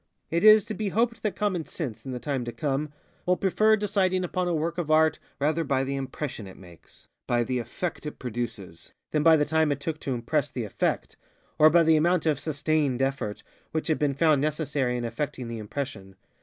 It is to be hoped that common sense, in the time to come, will prefer deciding upon a work of Art rather by the impression it makesŌĆöby the effect it producesŌĆöthan by the time it took to impress the effect, or by the amount of ŌĆ£sustained effortŌĆØ which had been found necessary in effecting the impression.